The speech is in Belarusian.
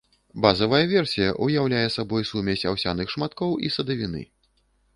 Базавая версія ўяўляе сабой сумесь аўсяных шматкоў і садавіны.